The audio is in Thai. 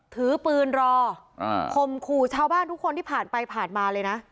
ถือปืนรอข่มขู่ชาวบ้านทุกคนที่ผ่านไปผ่านมาเลยนะ